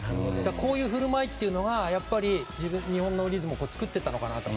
こういう振る舞いというのが日本のリズムを作っていったのかなと。